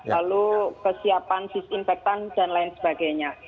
lalu kesiapan disinfektan dan lain sebagainya